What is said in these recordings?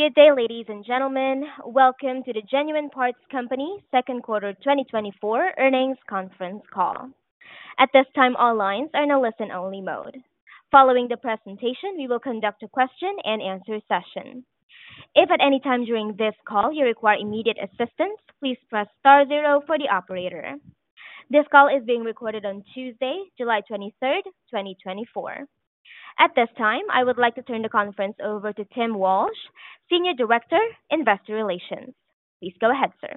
Good day, ladies and gentlemen. Welcome to the Genuine Parts Company second quarter 2024 earnings conference call. At this time, all lines are in a listen-only mode. Following the presentation, we will conduct a question-and-answer session. If at any time during this call you require immediate assistance, please press star zero for the operator. This call is being recorded on Tuesday, July 23, 2024. At this time, I would like to turn the conference over to Tim Walsh, Senior Director, Investor Relations. Please go ahead, sir.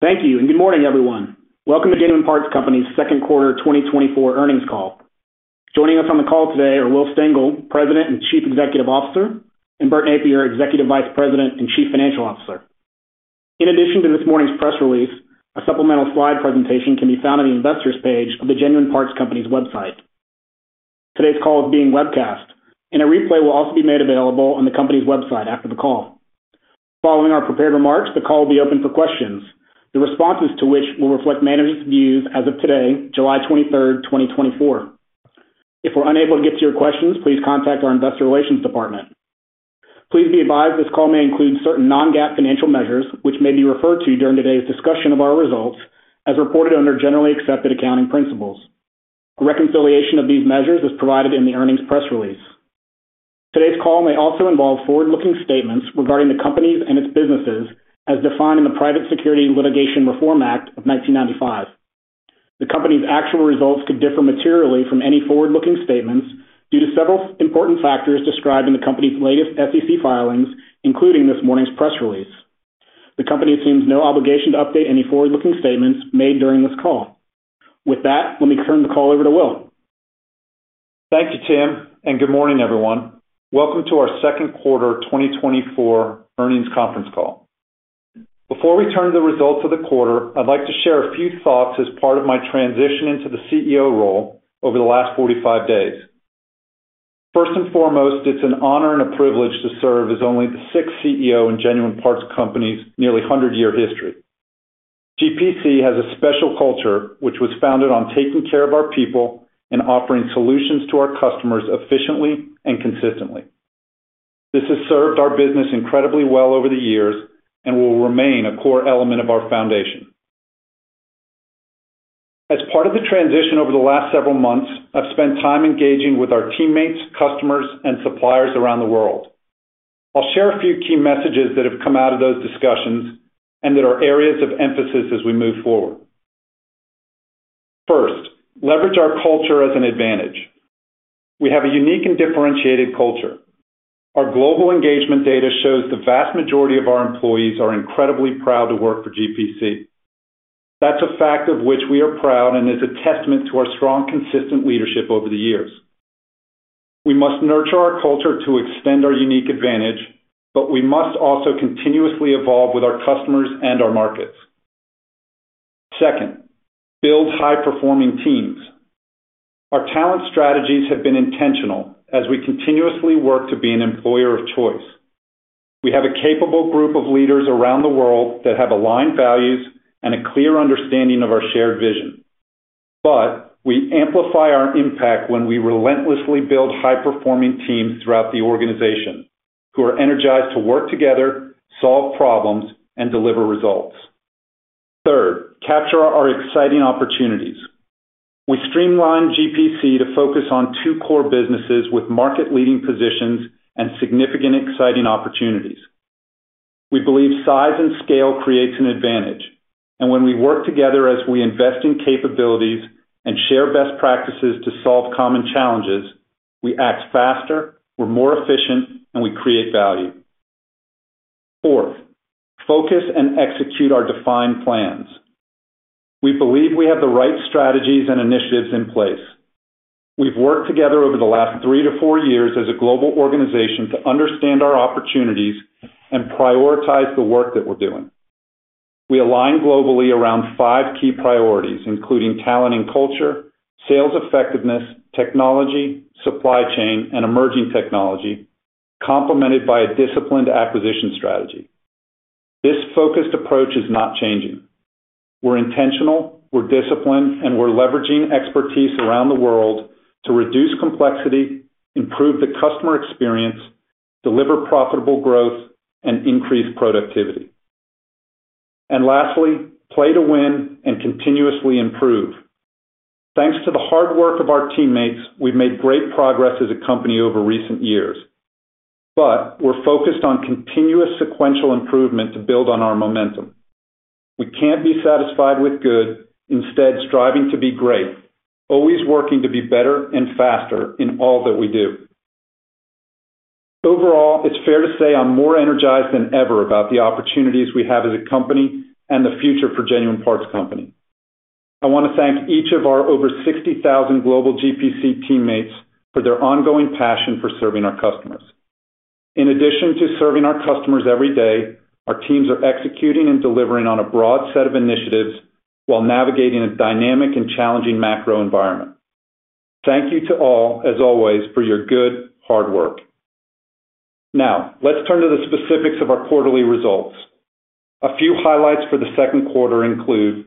Thank you, and good morning, everyone. Welcome to Genuine Parts Company's second quarter 2024 earnings call. Joining us on the call today are Will Stengel, President and Chief Executive Officer, and Bert Nappier, Executive Vice President and Chief Financial Officer. In addition to this morning's press release, a supplemental slide presentation can be found on the Investors page of the Genuine Parts Company's website. Today's call is being webcast, and a replay will also be made available on the company's website after the call. Following our prepared remarks, the call will be open for questions, the responses to which will reflect management's views as of today, July 23rd, 2024. If we're unable to get to your questions, please contact our investor relations department. Please be advised, this call may include certain Non-GAAP financial measures, which may be referred to during today's discussion of our results as reported under generally accepted accounting principles. Reconciliation of these measures is provided in the earnings press release. Today's call may also involve forward-looking statements regarding the company and its businesses, as defined in the Private Securities Litigation Reform Act of 1995. The company's actual results could differ materially from any forward-looking statements due to several important factors described in the company's latest SEC filings, including this morning's press release. The company assumes no obligation to update any forward-looking statements made during this call. With that, let me turn the call over to Will. Thank you, Tim, and good morning, everyone. Welcome to our second quarter 2024 earnings conference call. Before we turn to the results of the quarter, I'd like to share a few thoughts as part of my transition into the CEO role over the last 45 days. First and foremost, it's an honor and a privilege to serve as only the sixth CEO in Genuine Parts Company's nearly 100-year history. GPC has a special culture, which was founded on taking care of our people and offering solutions to our customers efficiently and consistently. This has served our business incredibly well over the years and will remain a core element of our foundation. As part of the transition over the last several months, I've spent time engaging with our teammates, customers, and suppliers around the world. I'll share a few key messages that have come out of those discussions and that are areas of emphasis as we move forward. First, leverage our culture as an advantage. We have a unique and differentiated culture. Our global engagement data shows the vast majority of our employees are incredibly proud to work for GPC. That's a fact of which we are proud and is a testament to our strong, consistent leadership over the years. We must nurture our culture to extend our unique advantage, but we must also continuously evolve with our customers and our markets. Second, build high-performing teams. Our talent strategies have been intentional as we continuously work to be an employer of choice. We have a capable group of leaders around the world that have aligned values and a clear understanding of our shared vision, but we amplify our impact when we relentlessly build high-performing teams throughout the organization, who are energized to work together, solve problems, and deliver results. Third, capture our exciting opportunities. We streamlined GPC to focus on two core businesses with market-leading positions and significant, exciting opportunities. We believe size and scale creates an advantage, and when we work together as we invest in capabilities and share best practices to solve common challenges, we act faster, we're more efficient, and we create value. Fourth, focus and execute our defined plans. We believe we have the right strategies and initiatives in place. We've worked together over the last 3-4 years as a global organization to understand our opportunities and prioritize the work that we're doing. We align globally around five key priorities, including talent and culture, sales effectiveness, technology, supply chain, and emerging technology, complemented by a disciplined acquisition strategy. This focused approach is not changing. We're intentional, we're disciplined, and we're leveraging expertise around the world to reduce complexity, improve the customer experience, deliver profitable growth, and increase productivity. Lastly, play to win and continuously improve. Thanks to the hard work of our teammates, we've made great progress as a company over recent years, but we're focused on continuous sequential improvement to build on our momentum. We can't be satisfied with good, instead striving to be great, always working to be better and faster in all that we do. Overall, it's fair to say I'm more energized than ever about the opportunities we have as a company and the future for Genuine Parts Company. I want to thank each of our over 60,000 global GPC teammates for their ongoing passion for serving our customers. In addition to serving our customers every day, our teams are executing and delivering on a broad set of initiatives while navigating a dynamic and challenging macro environment. Thank you to all, as always, for your good, hard work. Now, let's turn to the specifics of our quarterly results. A few highlights for the second quarter include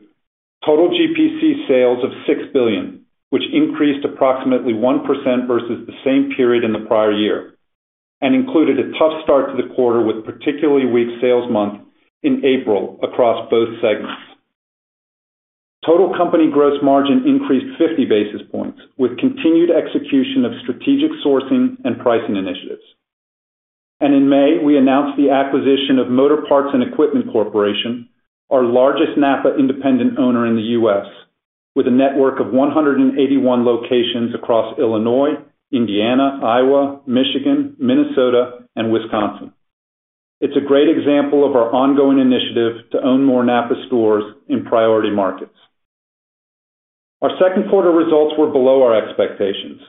total GPC sales of $6 billion, which increased approximately 1% versus the same period in the prior year, and included a tough start to the quarter with particularly weak sales month in April across both segments. Total company gross margin increased 50 basis points, with continued execution of strategic sourcing and pricing initiatives. In May, we announced the acquisition of Motor Parts & Equipment Corporation, our largest NAPA independent owner in the U.S., with a network of 181 locations across Illinois, Indiana, Iowa, Michigan, Minnesota, and Wisconsin. It's a great example of our ongoing initiative to own more NAPA stores in priority markets. Our second quarter results were below our expectations.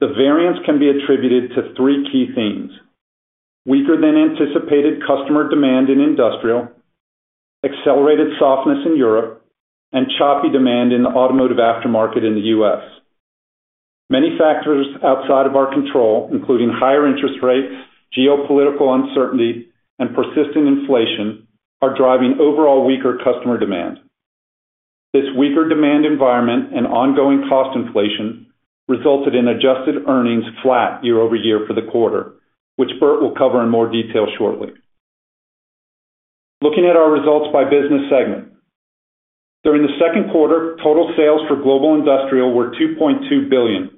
The variance can be attributed to three key themes: weaker than anticipated customer demand in industrial, accelerated softness in Europe, and choppy demand in the automotive aftermarket in the U.S. Many factors outside of our control, including higher interest rates, geopolitical uncertainty, and persistent inflation, are driving overall weaker customer demand. This weaker demand environment and ongoing cost inflation resulted in adjusted earnings flat year-over-year for the quarter, which Bert will cover in more detail shortly. Looking at our results by business segment. During the second quarter, total sales for global industrial were $2.2 billion,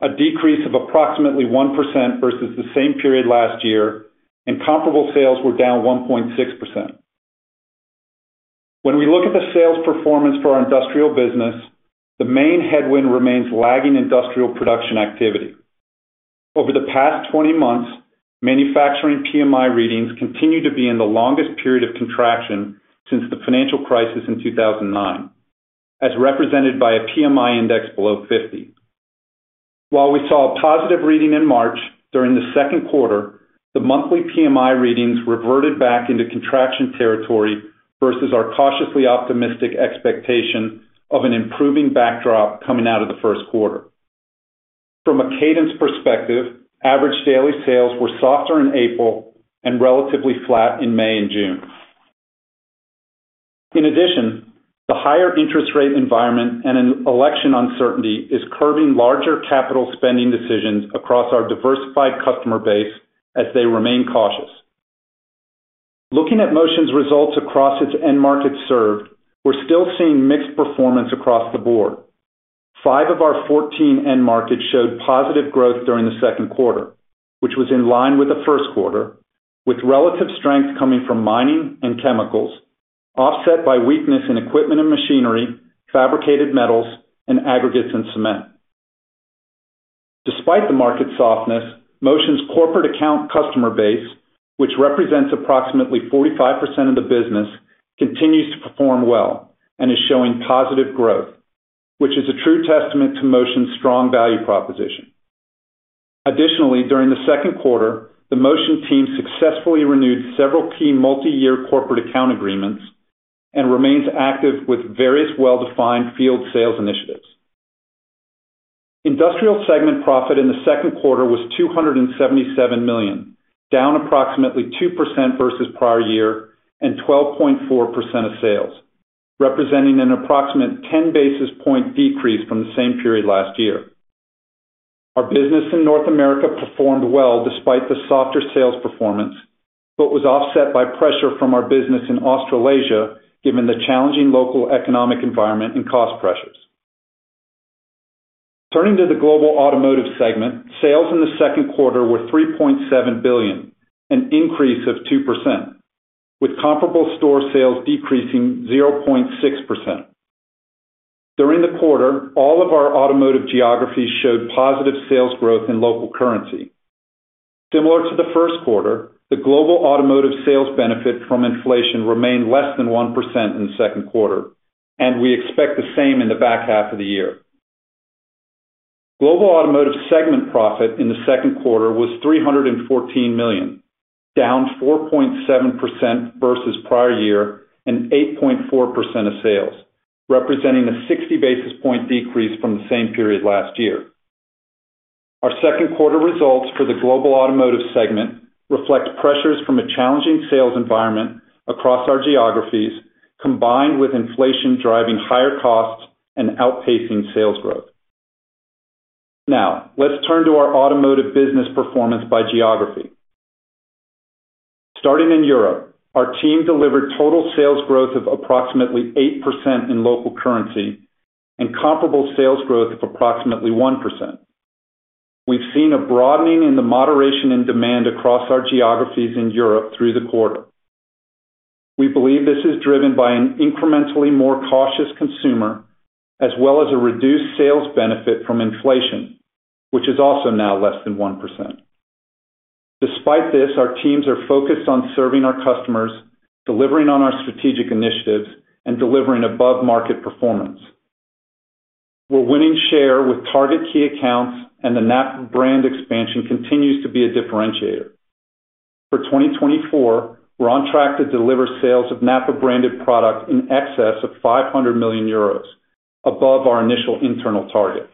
a decrease of approximately 1% versus the same period last year, and comparable sales were down 1.6%. When we look at the sales performance for our industrial business, the main headwind remains lagging industrial production activity. Over the past 20 months, Manufacturing PMI readings continue to be in the longest period of contraction since the financial crisis in 2009, as represented by a PMI index below 50. While we saw a positive reading in March, during the second quarter, the monthly PMI readings reverted back into contraction territory versus our cautiously optimistic expectation of an improving backdrop coming out of the first quarter. From a cadence perspective, average daily sales were softer in April and relatively flat in May and June. In addition, the higher interest rate environment and an election uncertainty is curbing larger capital spending decisions across our diversified customer base as they remain cautious. Looking at Motion's results across its end markets served, we're still seeing mixed performance across the board. 5 of our 14 end markets showed positive growth during the second quarter, which was in line with the first quarter, with relative strength coming from mining and chemicals, offset by weakness in equipment and machinery, fabricated metals, and aggregates and cement. Despite the market softness, Motion's corporate account customer base, which represents approximately 45% of the business, continues to perform well and is showing positive growth, which is a true testament to Motion's strong value proposition. Additionally, during the second quarter, the Motion team successfully renewed several key multiyear corporate account agreements and remains active with various well-defined field sales initiatives. Industrial segment profit in the second quarter was $277 million, down approximately 2% versus prior year and 12.4% of sales, representing an approximate 10 basis points decrease from the same period last year. Our business in North America performed well despite the softer sales performance, but was offset by pressure from our business in Australasia, given the challenging local economic environment and cost pressures. Turning to the global automotive segment, sales in the second quarter were $3.7 billion, an increase of 2%, with comparable store sales decreasing 0.6%. During the quarter, all of our automotive geographies showed positive sales growth in local currency. Similar to the first quarter, the global automotive sales benefit from inflation remained less than 1% in the second quarter, and we expect the same in the back half of the year. Global automotive segment profit in the second quarter was $314 million, down 4.7% versus prior year and 8.4% of sales, representing a 60 basis point decrease from the same period last year. Our second quarter results for the global automotive segment reflect pressures from a challenging sales environment across our geographies, combined with inflation driving higher costs and outpacing sales growth. Now, let's turn to our automotive business performance by geography. Starting in Europe, our team delivered total sales growth of approximately 8% in local currency and comparable sales growth of approximately 1%. We've seen a broadening in the moderation in demand across our geographies in Europe through the quarter. We believe this is driven by an incrementally more cautious consumer, as well as a reduced sales benefit from inflation, which is also now less than 1%. Despite this, our teams are focused on serving our customers, delivering on our strategic initiatives, and delivering above-market performance. We're winning share with target key accounts, and the NAPA brand expansion continues to be a differentiator. For 2024, we're on track to deliver sales of NAPA-branded product in excess of 500 million euros, above our initial internal target.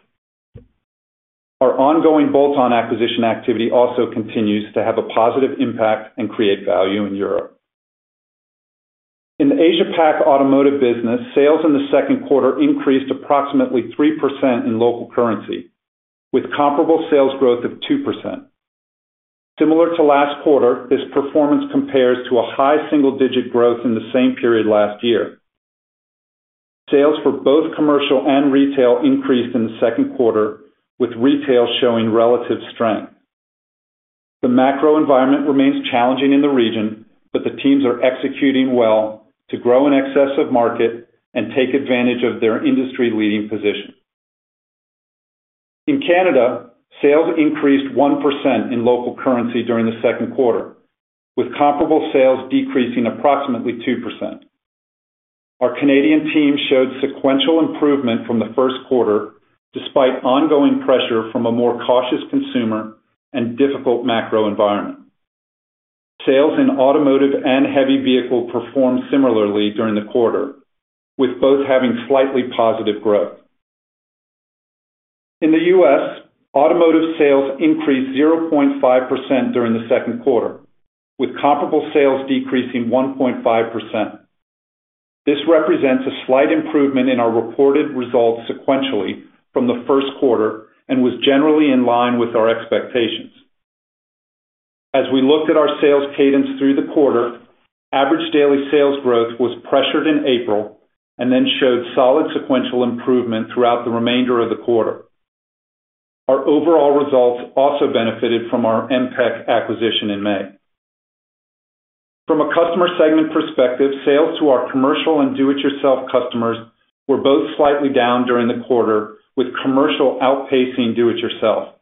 Our ongoing bolt-on acquisition activity also continues to have a positive impact and create value in Europe. In the Asia-Pac automotive business, sales in the second quarter increased approximately 3% in local currency, with comparable sales growth of 2%. Similar to last quarter, this performance compares to a high single-digit growth in the same period last year. Sales for both commercial and retail increased in the second quarter, with retail showing relative strength. The macro environment remains challenging in the region, but the teams are executing well to grow in excess of market and take advantage of their industry-leading position. In Canada, sales increased 1% in local currency during the second quarter, with comparable sales decreasing approximately 2%. Our Canadian team showed sequential improvement from the first quarter, despite ongoing pressure from a more cautious consumer and difficult macro environment. Sales in automotive and heavy vehicle performed similarly during the quarter, with both having slightly positive growth. In the US, automotive sales increased 0.5% during the second quarter, with comparable sales decreasing 1.5%. This represents a slight improvement in our reported results sequentially from the first quarter and was generally in line with our expectations. As we looked at our sales cadence through the quarter, average daily sales growth was pressured in April and then showed solid sequential improvement throughout the remainder of the quarter. Our overall results also benefited from our MPEC acquisition in May. From a customer segment perspective, sales to our commercial and do-it-yourself customers were both slightly down during the quarter, with commercial outpacing do-it-yourself.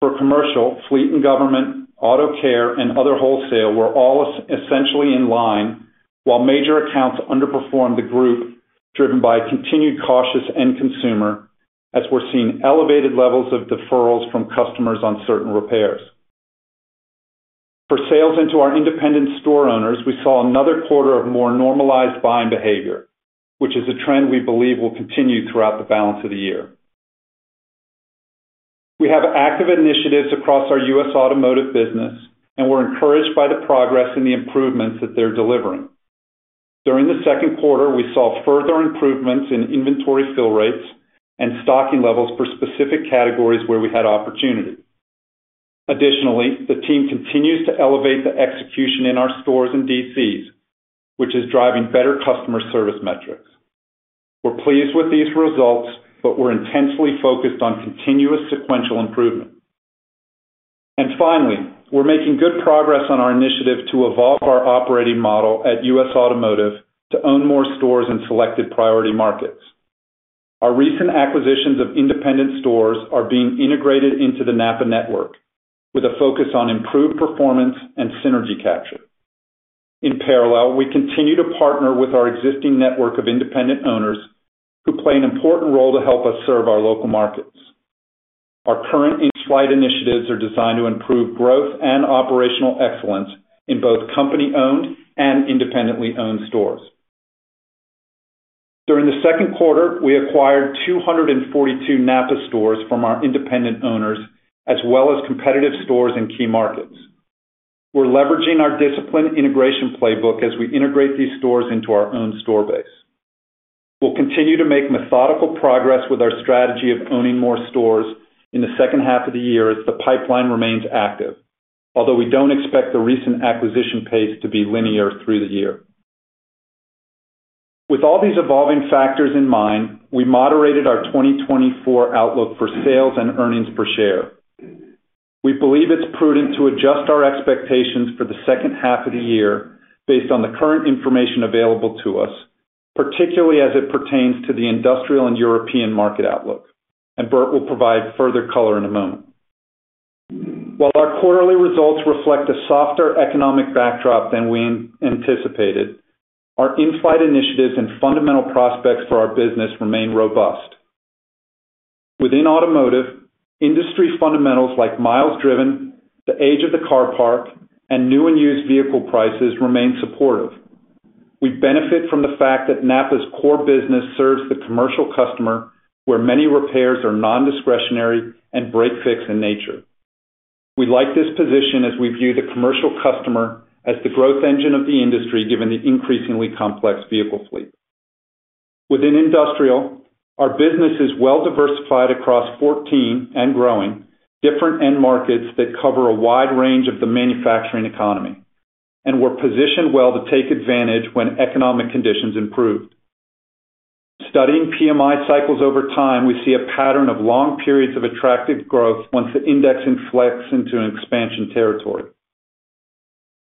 For commercial, fleet and government, auto care, and other wholesale were all essentially in line, while major accounts underperformed the group, driven by a continued cautious end consumer, as we're seeing elevated levels of deferrals from customers on certain repairs. For sales into our independent store owners, we saw another quarter of more normalized buying behavior, which is a trend we believe will continue throughout the balance of the year. We have active initiatives across our US automotive business, and we're encouraged by the progress and the improvements that they're delivering. During the second quarter, we saw further improvements in inventory fill rates and stocking levels for specific categories where we had opportunity. Additionally, the team continues to elevate the execution in our stores and DCs, which is driving better customer service metrics. We're pleased with these results, but we're intensely focused on continuous sequential improvement. Finally, we're making good progress on our initiative to evolve our operating model at US Automotive to own more stores in selected priority markets. Our recent acquisitions of independent stores are being integrated into the NAPA network with a focus on improved performance and synergy capture. In parallel, we continue to partner with our existing network of independent owners, who play an important role to help us serve our local markets. Our current in-flight initiatives are designed to improve growth and operational excellence in both company-owned and independently owned stores. During the second quarter, we acquired 242 NAPA stores from our independent owners, as well as competitive stores in key markets. We're leveraging our disciplined integration playbook as we integrate these stores into our own store base. We'll continue to make methodical progress with our strategy of owning more stores in the second half of the year, as the pipeline remains active, although we don't expect the recent acquisition pace to be linear through the year. With all these evolving factors in mind, we moderated our 2024 outlook for sales and earnings per share. We believe it's prudent to adjust our expectations for the second half of the year based on the current information available to us, particularly as it pertains to the industrial and European market outlook. Bert will provide further color in a moment. While our quarterly results reflect a softer economic backdrop than we anticipated, our in-flight initiatives and fundamental prospects for our business remain robust. Within automotive, industry fundamentals like miles driven, the age of the car park, and new and used vehicle prices remain supportive. We benefit from the fact that NAPA's core business serves the commercial customer, where many repairs are nondiscretionary and break-fix in nature. We like this position as we view the commercial customer as the growth engine of the industry, given the increasingly complex vehicle fleet. Within industrial, our business is well diversified across 14, and growing, different end markets that cover a wide range of the manufacturing economy, and we're positioned well to take advantage when economic conditions improve. Studying PMI cycles over time, we see a pattern of long periods of attractive growth once the index inflects into an expansion territory.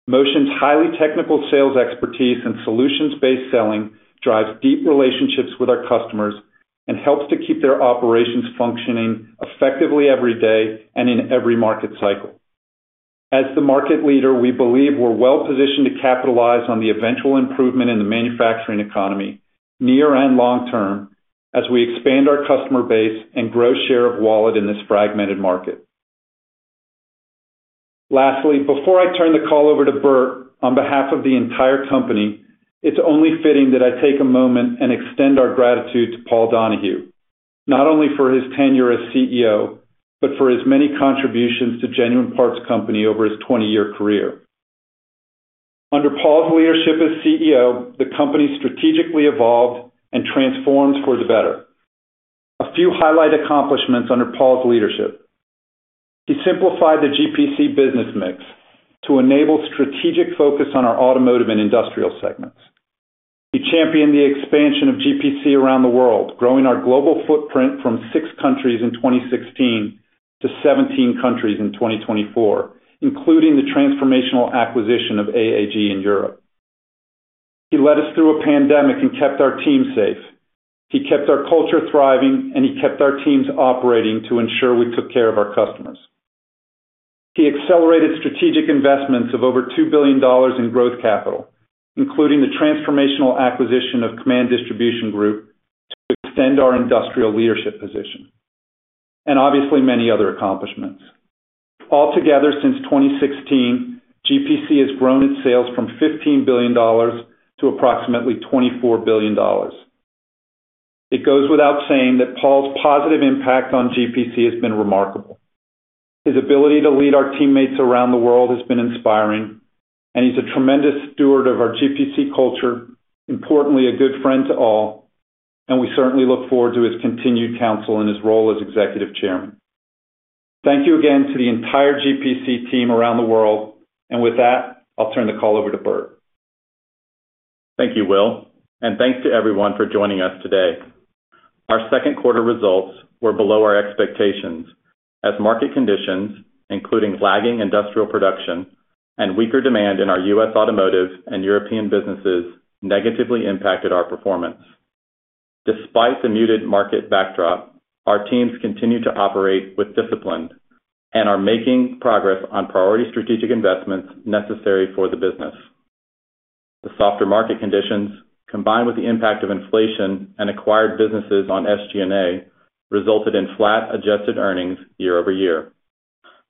Motion's highly technical sales expertise and solutions-based selling drives deep relationships with our customers and helps to keep their operations functioning effectively every day and in every market cycle. As the market leader, we believe we're well positioned to capitalize on the eventual improvement in the manufacturing economy, near and long term, as we expand our customer base and grow share of wallet in this fragmented market.... Lastly, before I turn the call over to Bert, on behalf of the entire company, it's only fitting that I take a moment and extend our gratitude to Paul Donahue, not only for his tenure as CEO, but for his many contributions to Genuine Parts Company over his 20-year career. Under Paul's leadership as CEO, the company strategically evolved and transformed for the better. A few highlights accomplishments under Paul's leadership: He simplified the GPC business mix to enable strategic focus on our automotive and industrial segments. He championed the expansion of GPC around the world, growing our global footprint from 6 countries in 2016 to 17 countries in 2024, including the transformational acquisition of AAG in Europe. He led us through a pandemic and kept our team safe. He kept our culture thriving, and he kept our teams operating to ensure we took care of our customers. He accelerated strategic investments of over $2 billion in growth capital, including the transformational acquisition of Kaman Distribution Group, to extend our industrial leadership position, and obviously, many other accomplishments. Altogether, since 2016, GPC has grown its sales from $15 billion to approximately $24 billion. It goes without saying that Paul's positive impact on GPC has been remarkable. His ability to lead our teammates around the world has been inspiring, and he's a tremendous steward of our GPC culture, importantly, a good friend to all, and we certainly look forward to his continued counsel in his role as Executive Chairman. Thank you again to the entire GPC team around the world. And with that, I'll turn the call over to Bert. Thank you, Will, and thanks to everyone for joining us today. Our second quarter results were below our expectations as market conditions, including lagging industrial production and weaker demand in our US automotive and European businesses, negatively impacted our performance. Despite the muted market backdrop, our teams continue to operate with discipline and are making progress on priority strategic investments necessary for the business. The softer market conditions, combined with the impact of inflation and acquired businesses on SG&A, resulted in flat adjusted earnings year-over-year.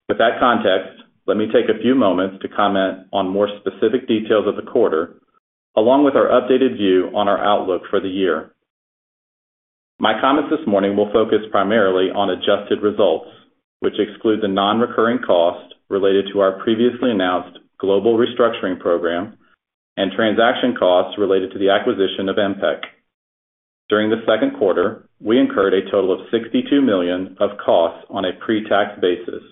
With that context, let me take a few moments to comment on more specific details of the quarter, along with our updated view on our outlook for the year. My comments this morning will focus primarily on adjusted results, which exclude the non-recurring costs related to our previously announced global restructuring program and transaction costs related to the acquisition of MPEC. During the second quarter, we incurred a total of $62 million of costs on a pre-tax basis,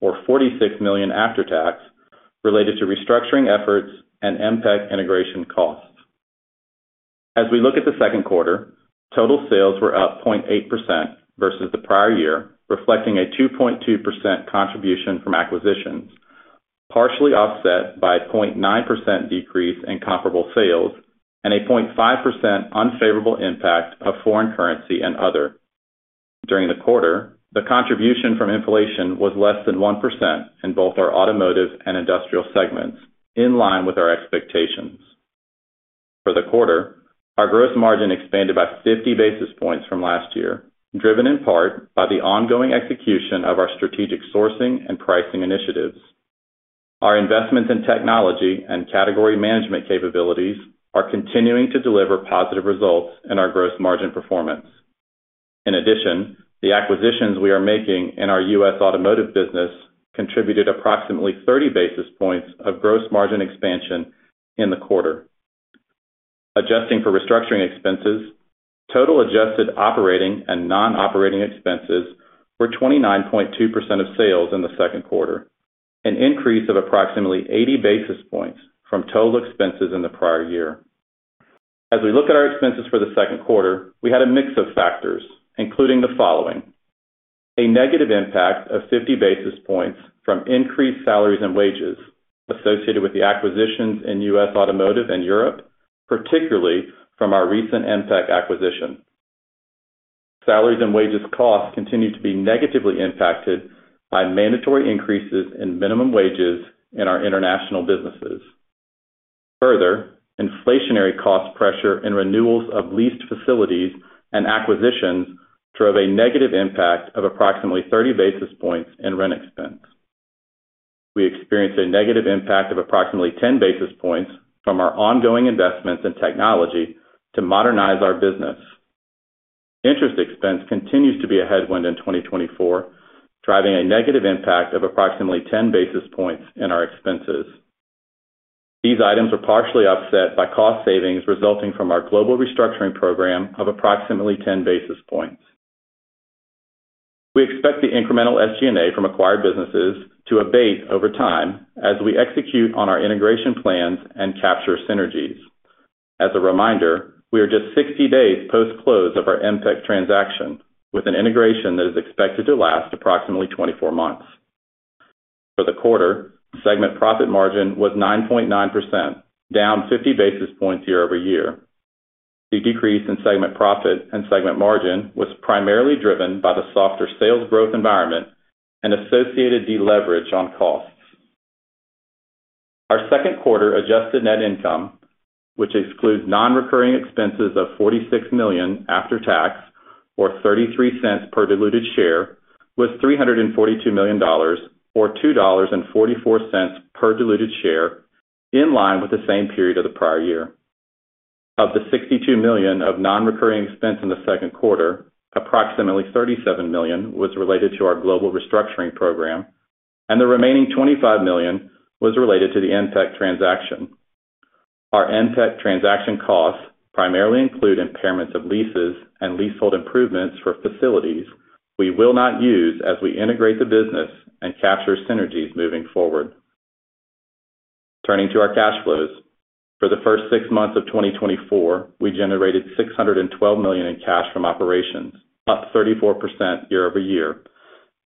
or $46 million after tax, related to restructuring efforts and MPEC integration costs. As we look at the second quarter, total sales were up 0.8% versus the prior year, reflecting a 2.2% contribution from acquisitions, partially offset by a 0.9% decrease in comparable sales and a 0.5% unfavorable impact of foreign currency and other. During the quarter, the contribution from inflation was less than 1% in both our automotive and industrial segments, in line with our expectations. For the quarter, our gross margin expanded by 50 basis points from last year, driven in part by the ongoing execution of our strategic sourcing and pricing initiatives. Our investments in technology and category management capabilities are continuing to deliver positive results in our gross margin performance. In addition, the acquisitions we are making in our US automotive business contributed approximately 30 basis points of gross margin expansion in the quarter. Adjusting for restructuring expenses, total adjusted operating and non-operating expenses were 29.2% of sales in the second quarter, an increase of approximately 80 basis points from total expenses in the prior year. As we look at our expenses for the second quarter, we had a mix of factors, including the following: a negative impact of 50 basis points from increased salaries and wages associated with the acquisitions in US Automotive and Europe, particularly from our recent MPEC acquisition. Salaries and wages costs continue to be negatively impacted by mandatory increases in minimum wages in our international businesses. Further, inflationary cost pressure and renewals of leased facilities and acquisitions drove a negative impact of approximately 30 basis points in rent expense. We experienced a negative impact of approximately 10 basis points from our ongoing investments in technology to modernize our business. Interest expense continues to be a headwind in 2024, driving a negative impact of approximately 10 basis points in our expenses. These items are partially offset by cost savings resulting from our global restructuring program of approximately 10 basis points. We expect the incremental SG&A from acquired businesses to abate over time as we execute on our integration plans and capture synergies. As a reminder, we are just 60 days post-close of our MPEC transaction, with an integration that is expected to last approximately 24 months. For the quarter, segment profit margin was 9.9%, down 50 basis points year over year. The decrease in segment profit and segment margin was primarily driven by the softer sales growth environment and associated deleverage on costs... Our second quarter adjusted net income, which excludes non-recurring expenses of $46 million after tax, or $0.33 per diluted share, was $342 million, or $2.44 per diluted share, in line with the same period of the prior year. Of the $62 million of non-recurring expense in the second quarter, approximately $37 million was related to our global restructuring program, and the remaining $25 million was related to the MPEC transaction. Our MPEC transaction costs primarily include impairments of leases and leasehold improvements for facilities we will not use as we integrate the business and capture synergies moving forward. Turning to our cash flows. For the first six months of 2024, we generated $612 million in cash from operations, up 34% year-over-year,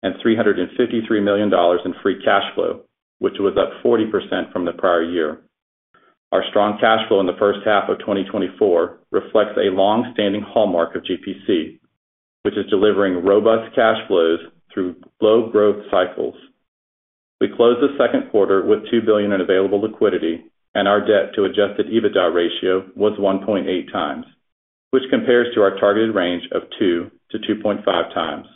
and $353 million in free cash flow, which was up 40% from the prior year. Our strong cash flow in the first half of 2024 reflects a long-standing hallmark of GPC, which is delivering robust cash flows through low growth cycles. We closed the second quarter with $2 billion in available liquidity, and our debt-to-Adjusted EBITDA ratio was 1.8 times, which compares to our targeted range of 2-2.5 times.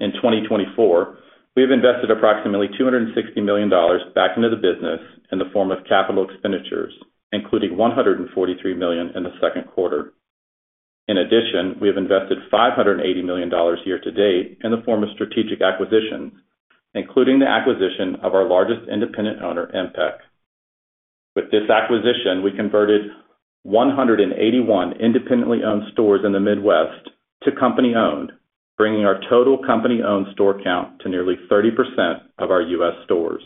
In 2024, we have invested approximately $260 million back into the business in the form of capital expenditures, including $143 million in the second quarter. In addition, we have invested $580 million year to date in the form of strategic acquisitions, including the acquisition of our largest independent owner, MPEC. With this acquisition, we converted 181 independently owned stores in the Midwest to company-owned, bringing our total company-owned store count to nearly 30% of our U.S. stores.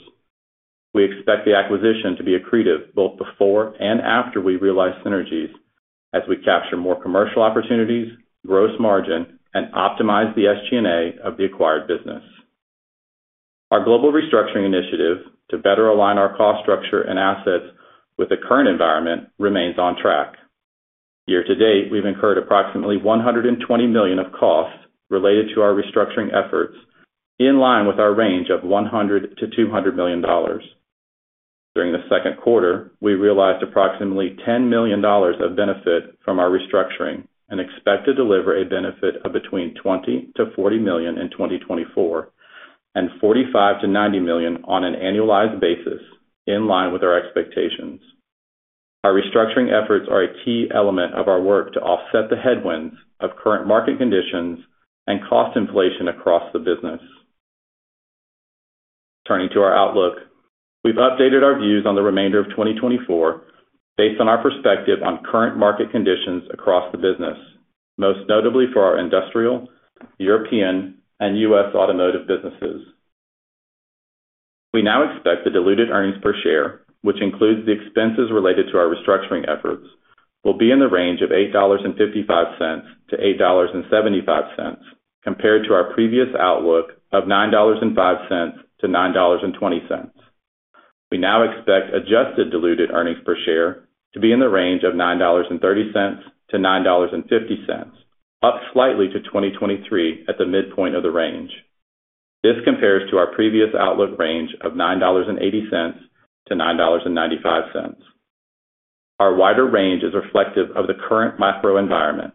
We expect the acquisition to be accretive both before and after we realize synergies, as we capture more commercial opportunities, gross margin, and optimize the SG&A of the acquired business. Our global restructuring initiative to better align our cost structure and assets with the current environment remains on track. Year to date, we've incurred approximately $120 million of costs related to our restructuring efforts, in line with our range of $100 million-$200 million. During the second quarter, we realized approximately $10 million of benefit from our restructuring and expect to deliver a benefit of between $20-$40 million in 2024, and $45-$90 million on an annualized basis, in line with our expectations. Our restructuring efforts are a key element of our work to offset the headwinds of current market conditions and cost inflation across the business. Turning to our outlook. We've updated our views on the remainder of 2024 based on our perspective on current market conditions across the business, most notably for our industrial, European, and US automotive businesses. We now expect the diluted earnings per share, which includes the expenses related to our restructuring efforts, will be in the range of $8.55-$8.75, compared to our previous outlook of $9.05-$9.20. We now expect adjusted diluted earnings per share to be in the range of $9.30-$9.50, up slightly to 2023 at the midpoint of the range. This compares to our previous outlook range of $9.80-$9.95. Our wider range is reflective of the current macro environment,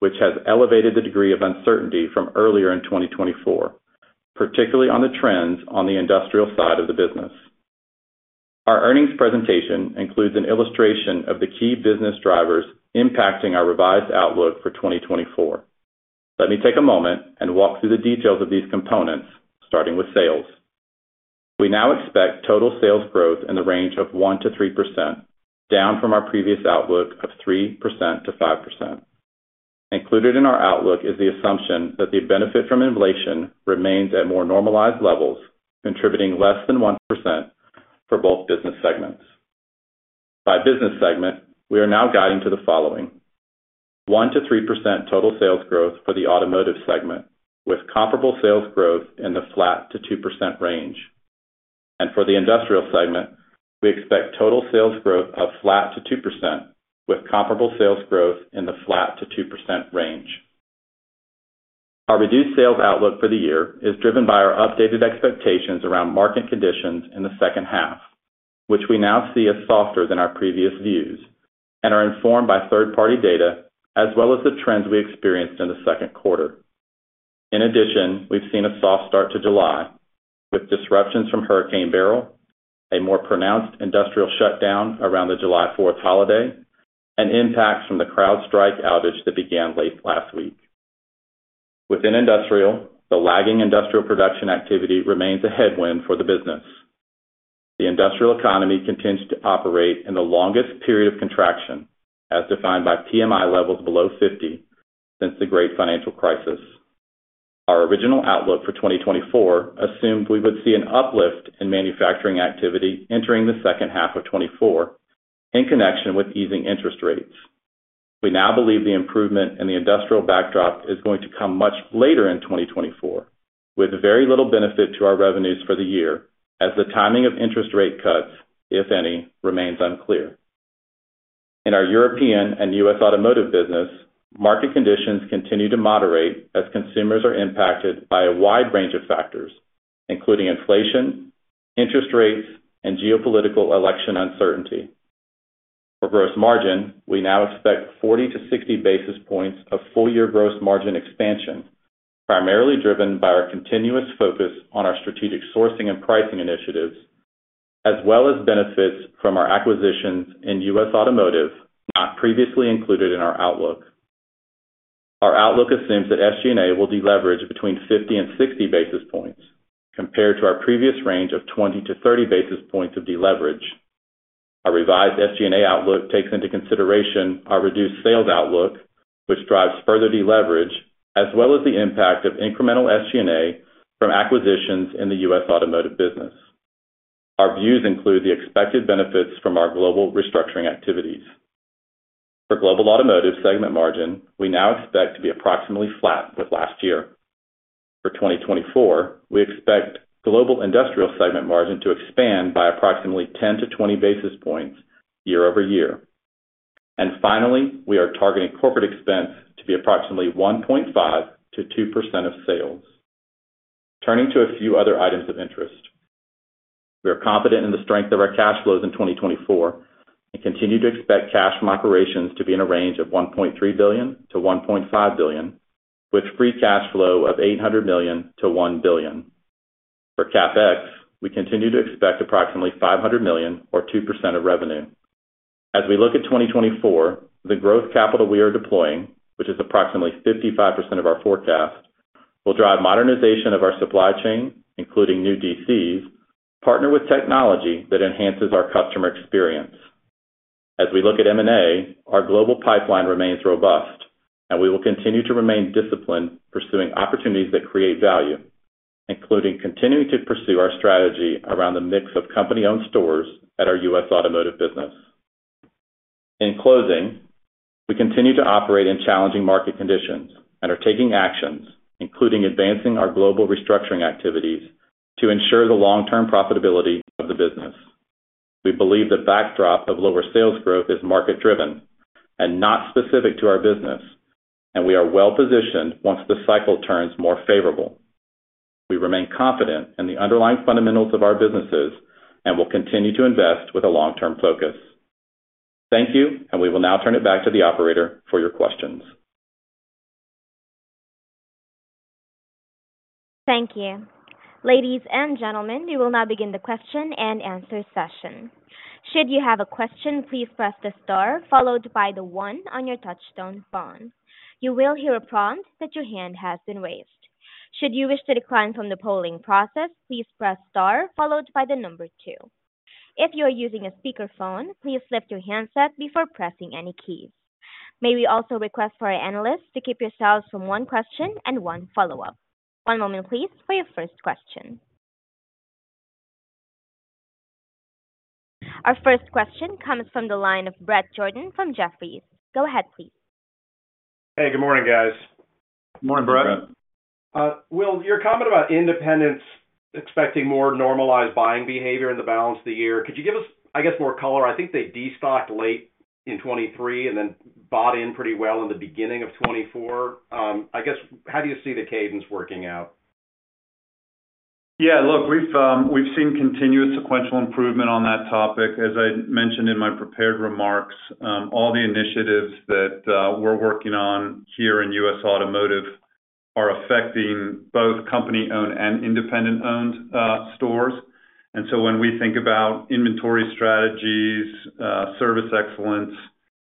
which has elevated the degree of uncertainty from earlier in 2024, particularly on the trends on the industrial side of the business. Our earnings presentation includes an illustration of the key business drivers impacting our revised outlook for 2024. Let me take a moment and walk through the details of these components, starting with sales. We now expect total sales growth in the range of 1%-3%, down from our previous outlook of 3%-5%. Included in our outlook is the assumption that the benefit from inflation remains at more normalized levels, contributing less than 1% for both business segments. By business segment, we are now guiding to the following: 1%-3% total sales growth for the automotive segment, with comparable sales growth in the flat to 2% range. For the industrial segment, we expect total sales growth of flat to 2%, with comparable sales growth in the flat to 2% range. Our reduced sales outlook for the year is driven by our updated expectations around market conditions in the second half, which we now see as softer than our previous views and are informed by third-party data, as well as the trends we experienced in the second quarter. In addition, we've seen a soft start to July, with disruptions from Hurricane Beryl, a more pronounced industrial shutdown around the July Fourth holiday, and impacts from the CrowdStrike outage that began late last week. Within industrial, the lagging industrial production activity remains a headwind for the business. The industrial economy continues to operate in the longest period of contraction, as defined by PMI levels below 50, since the Great Financial Crisis. Our original outlook for 2024 assumed we would see an uplift in manufacturing activity entering the second half of 2024 in connection with easing interest rates. We now believe the improvement in the industrial backdrop is going to come much later in 2024, with very little benefit to our revenues for the year as the timing of interest rate cuts, if any, remains unclear. In our European and US automotive business, market conditions continue to moderate as consumers are impacted by a wide range of factors, including inflation, interest rates, and geopolitical election uncertainty. For gross margin, we now expect 40-60 basis points of full-year gross margin expansion, primarily driven by our continuous focus on our strategic sourcing and pricing initiatives, as well as benefits from our acquisitions in US automotive, not previously included in our outlook. Our outlook assumes that SG&A will deleverage between 50 and 60 basis points, compared to our previous range of 20-30 basis points of deleverage. Our revised SG&A outlook takes into consideration our reduced sales outlook, which drives further deleverage, as well as the impact of incremental SG&A from acquisitions in the US automotive business. Our views include the expected benefits from our global restructuring activities. For global automotive segment margin, we now expect to be approximately flat with last year. For 2024, we expect global industrial segment margin to expand by approximately 10-20 basis points year-over-year. And finally, we are targeting corporate expense to be approximately 1.5%-2% of sales. Turning to a few other items of interest. We are confident in the strength of our cash flows in 2024 and continue to expect cash from operations to be in a range of $1.3 billion-$1.5 billion, with free cash flow of $800 million-$1 billion. For CapEx, we continue to expect approximately $500 million or 2% of revenue. As we look at 2024, the growth capital we are deploying, which is approximately 55% of our forecast, will drive modernization of our supply chain, including new DCs, partner with technology that enhances our customer experience. As we look at M&A, our global pipeline remains robust, and we will continue to remain disciplined, pursuing opportunities that create value, including continuing to pursue our strategy around the mix of company-owned stores at our US automotive business. In closing, we continue to operate in challenging market conditions and are taking actions, including advancing our global restructuring activities, to ensure the long-term profitability of the business. We believe the backdrop of lower sales growth is market-driven and not specific to our business, and we are well-positioned once the cycle turns more favorable. We remain confident in the underlying fundamentals of our businesses and will continue to invest with a long-term focus. Thank you, and we will now turn it back to the operator for your questions. Thank you. Ladies and gentlemen, we will now begin the question and answer session. Should you have a question, please press the star followed by the one on your touchtone phone. You will hear a prompt that your hand has been raised. Should you wish to decline from the polling process, please press star followed by the number two. If you are using a speakerphone, please lift your handset before pressing any keys. May we also request for our analysts to limit yourselves to one question and one follow-up? One moment, please, for your first question. Our first question comes from the line of Bret Jordan from Jefferies. Go ahead, please. Hey, good morning, guys. Good morning, Bret. Will, your comment about independents expecting more normalized buying behavior in the balance of the year, could you give us, I guess, more color? I think they destocked late in 2023 and then bought in pretty well in the beginning of 2024. I guess, how do you see the cadence working out? Yeah, look, we've, we've seen continuous sequential improvement on that topic. As I mentioned in my prepared remarks, all the initiatives that, we're working on here in US Automotive are affecting both company-owned and independent-owned, stores. And so when we think about inventory strategies, service excellence,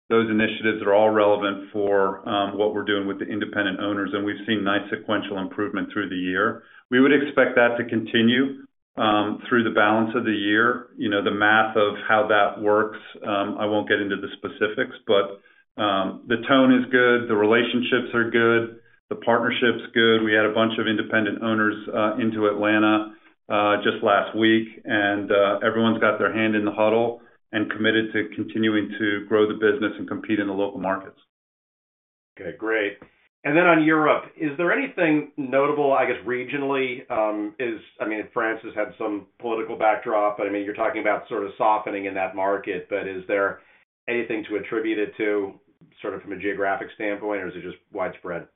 those initiatives are all relevant for, what we're doing with the independent owners, and we've seen nice sequential improvement through the year. We would expect that to continue, through the balance of the year. You know, the math of how that works, I won't get into the specifics, but, the tone is good, the relationships are good, the partnership's good. We had a bunch of independent owners into Atlanta just last week, and everyone's got their hand in the huddle and committed to continuing to grow the business and compete in the local markets. Okay, great. And then on Europe, is there anything notable, I guess, regionally, I mean, France has had some political backdrop, but I mean, you're talking about sort of softening in that market, but is there anything to attribute it to, sort of from a geographic standpoint, or is it just widespread?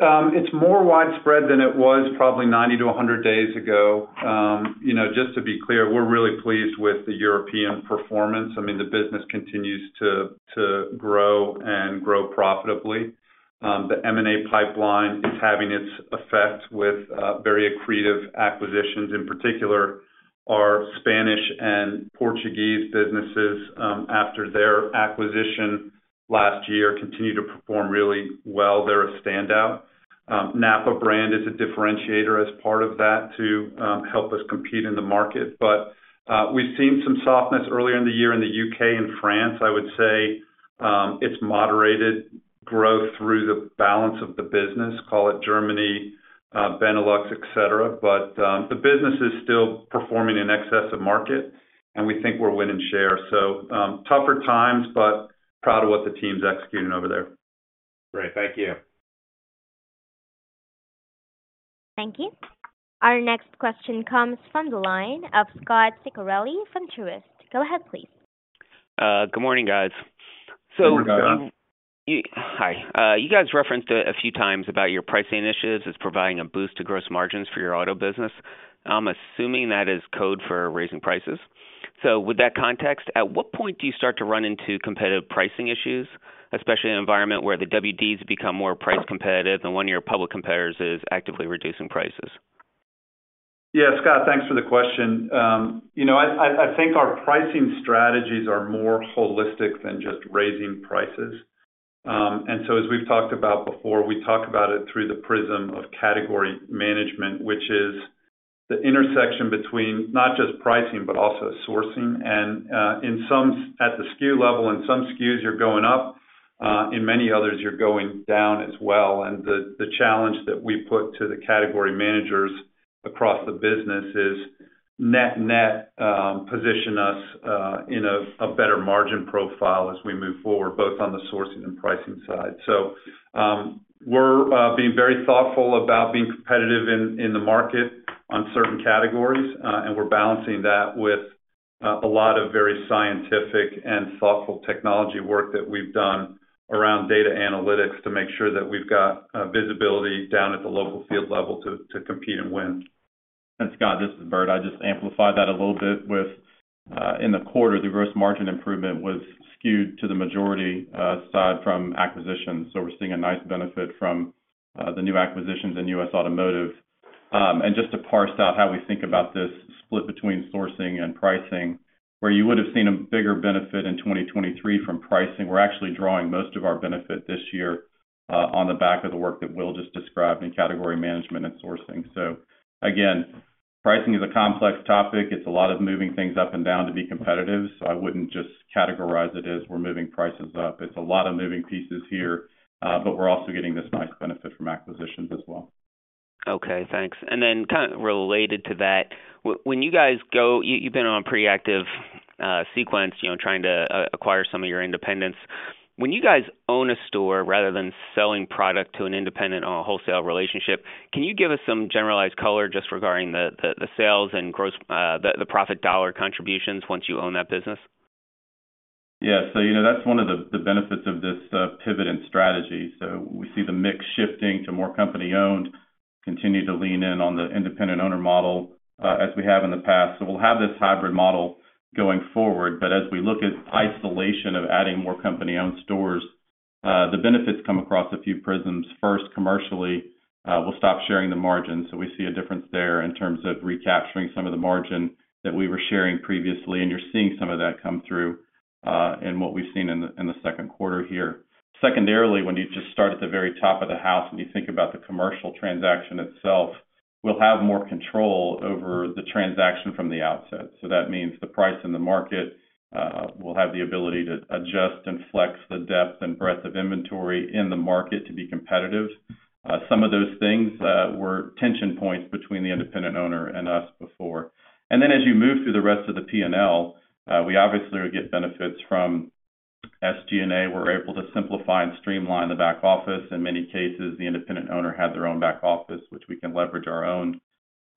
It's more widespread than it was probably 90-100 days ago. You know, just to be clear, we're really pleased with the European performance. I mean, the business continues to grow and grow profitably. The M&A pipeline is having its effect with very accretive acquisitions. In particular, our Spanish and Portuguese businesses after their acquisition last year continue to perform really well. They're a standout. NAPA brand is a differentiator as part of that to help us compete in the market. But we've seen some softness earlier in the year in the UK and France. I would say it's moderated growth through the balance of the business, call it Germany, Benelux, et cetera. But the business is still performing in excess of market, and we think we're winning share. So, tougher times, but proud of what the team's executing over there. Great. Thank you.... Thank you. Our next question comes from the line of Scot Ciccarelli from Truist. Go ahead, please. Good morning, guys. Good morning. Hi. You guys referenced a few times about your pricing initiatives as providing a boost to gross margins for your auto business. I'm assuming that is code for raising prices. So with that context, at what point do you start to run into competitive pricing issues, especially in an environment where the WDs become more price competitive and one of your public competitors is actively reducing prices? Yeah, Scot, thanks for the question. You know, I think our pricing strategies are more holistic than just raising prices. And so as we've talked about before, we talk about it through the prism of category management, which is the intersection between not just pricing, but also sourcing. At the SKU level, in some SKUs, you're going up, in many others, you're going down as well. And the challenge that we put to the category managers across the business is net net, position us in a better margin profile as we move forward, both on the sourcing and pricing side. We're being very thoughtful about being competitive in the market on certain categories, and we're balancing that with a lot of very scientific and thoughtful technology work that we've done around data analytics to make sure that we've got visibility down at the local field level to compete and win. And Scot, this is Bert. I just amplify that a little bit with, in the quarter, the gross margin improvement was skewed to the majority, side from acquisitions. So we're seeing a nice benefit from, the new acquisitions in US Automotive. And just to parse out how we think about this split between sourcing and pricing, where you would have seen a bigger benefit in 2023 from pricing, we're actually drawing most of our benefit this year, on the back of the work that Will just described in category management and sourcing. So again, pricing is a complex topic. It's a lot of moving things up and down to be competitive, so I wouldn't just categorize it as we're moving prices up. It's a lot of moving pieces here, but we're also getting this nice benefit from acquisitions as well. Okay, thanks. And then kind of related to that, when you guys go... You've been on a pretty active sequence, you know, trying to acquire some of your independents. When you guys own a store rather than selling product to an independent on a wholesale relationship, can you give us some generalized color just regarding the sales and gross, the profit dollar contributions once you own that business? Yeah. So, you know, that's one of the benefits of this pivot in strategy. So we see the mix shifting to more company-owned, continue to lean in on the independent owner model as we have in the past. So we'll have this hybrid model going forward, but as we look at isolation of adding more company-owned stores, the benefits come across a few prisms. First, commercially, we'll stop sharing the margins. So we see a difference there in terms of recapturing some of the margin that we were sharing previously, and you're seeing some of that come through in what we've seen in the second quarter here. Secondarily, when you just start at the very top of the house and you think about the commercial transaction itself, we'll have more control over the transaction from the outset. So that means the price in the market will have the ability to adjust and flex the depth and breadth of inventory in the market to be competitive. Some of those things were tension points between the independent owner and us before. And then as you move through the rest of the P&L, we obviously will get benefits from SG&A. We're able to simplify and streamline the back office. In many cases, the independent owner had their own back office, which we can leverage our own.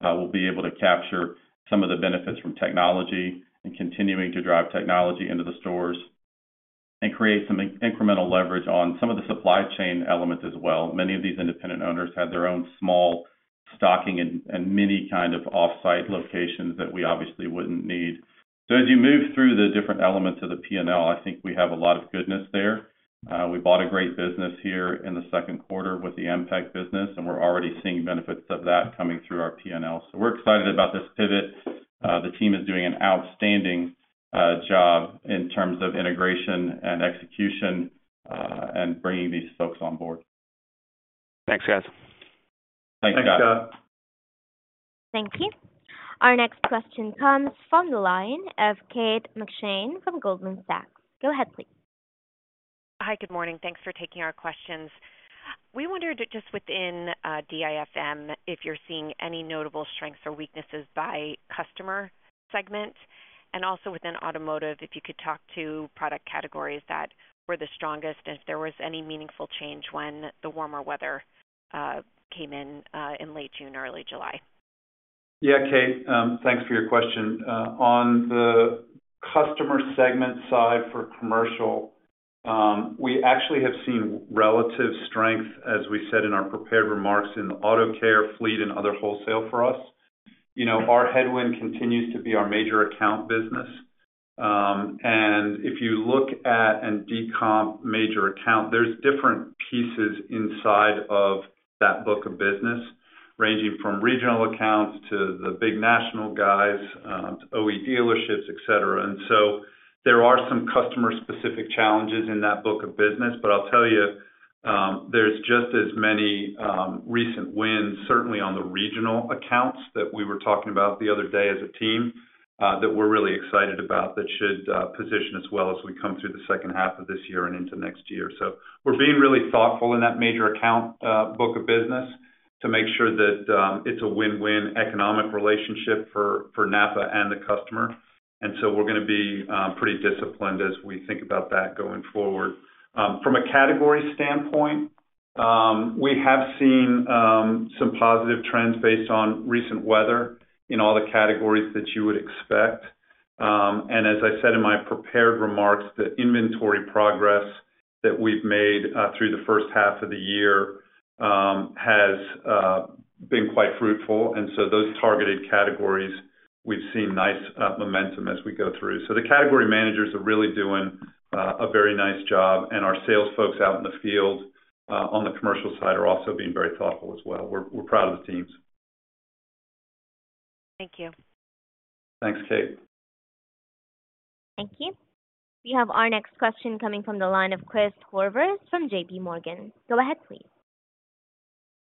We'll be able to capture some of the benefits from technology and continuing to drive technology into the stores and create some incremental leverage on some of the supply chain elements as well. Many of these independent owners have their own small stocking and many kind of off-site locations that we obviously wouldn't need. So as you move through the different elements of the P&L, I think we have a lot of goodness there. We bought a great business here in the second quarter with the MPEC business, and we're already seeing benefits of that coming through our P&L. So we're excited about this pivot. The team is doing an outstanding job in terms of integration and execution, and bringing these folks on board. Thanks, guys. Thanks, Scot. Thank you. Our next question comes from the line of Kate McShane from Goldman Sachs. Go ahead, please. Hi, good morning. Thanks for taking our questions. We wondered just within DIFM, if you're seeing any notable strengths or weaknesses by customer segment, and also within Automotive, if you could talk to product categories that were the strongest and if there was any meaningful change when the warmer weather came in in late June, early July? Yeah, Kate, thanks for your question. On the customer segment side for commercial, we actually have seen relative strength, as we said in our prepared remarks, in the auto care fleet and other wholesale for us. You know, our headwind continues to be our major account business. And if you look at and decomp major account, there's different pieces inside of that book of business, ranging from regional accounts to the big national guys, OE dealerships, et cetera. And so there are some customer-specific challenges in that book of business, but I'll tell you, there's just as many recent wins, certainly on the regional accounts that we were talking about the other day as a team, that we're really excited about, that should position us well as we come through the second half of this year and into next year. So we're being really thoughtful in that major account book of business to make sure that it's a win-win economic relationship for, for NAPA and the customer. And so we're gonna be pretty disciplined as we think about that going forward. From a category standpoint, we have seen some positive trends based on recent weather in all the categories that you would expect. And as I said in my prepared remarks, the inventory progress that we've made through the first half of the year has been quite fruitful, and so those targeted categories, we've seen nice momentum as we go through. So the category managers are really doing a very nice job, and our sales folks out in the field on the commercial side are also being very thoughtful as well. We're proud of the teams. Thank you. Thanks, Kate. Thank you. We have our next question coming from the line of Chris Horvers from JPMorgan. Go ahead, please.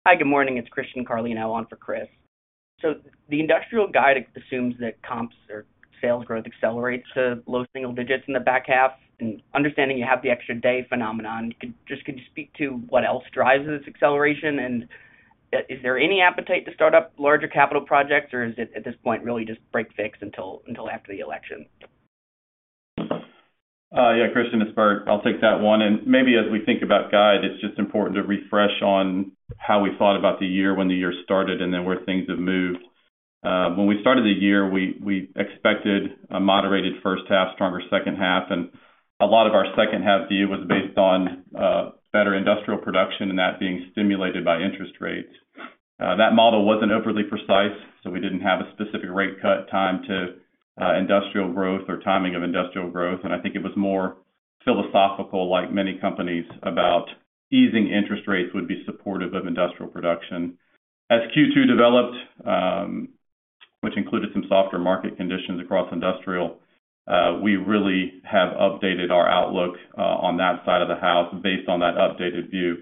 Hi, good morning. It's Christian Carlino on for Chris. So the industrial guide assumes that comps or sales growth accelerates to low single digits in the back half. And understanding you have the extra day phenomenon, could you just speak to what else drives this acceleration? And, is there any appetite to start up larger capital projects, or is it, at this point, really just break fix until, until after the election? Yeah, Christian, it's Bert. I'll take that one. And maybe as we think about guide, it's just important to refresh on how we thought about the year when the year started and then where things have moved. When we started the year, we, we expected a moderated first half, stronger second half, and a lot of our second half view was based on better industrial production and that being stimulated by interest rates. That model wasn't overly precise, so we didn't have a specific rate cut time to industrial growth or timing of industrial growth, and I think it was more philosophical, like many companies, about easing interest rates would be supportive of industrial production. As Q2 developed, which included some softer market conditions across industrial, we really have updated our outlook on that side of the house based on that updated view.